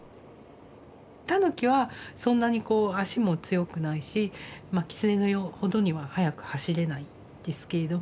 タヌキはそんなにこう足も強くないしまあキツネほどには速く走れないんですけれども。